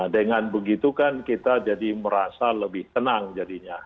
dengan begitu kan kita jadi merasa lebih tenang jadinya